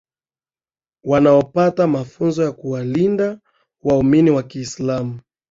wanaopata mafunzo ya kuwalinda waumini wa kiislamu